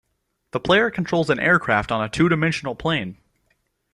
The player controls an aircraft on a two-dimensional plane.